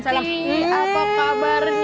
waalaikumsalam apa kabarnya